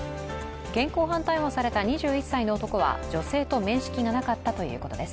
現行犯逮捕された２１歳の男は、女性と面識がなかったということです。